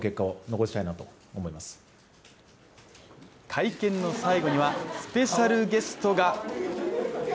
会見の最後にはスペシャルゲストが。